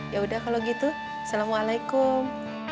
yaudah kalau gitu assalamualaikum